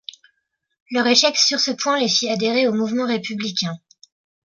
Leur échec sur ce point les fit adhérer au mouvement républicain.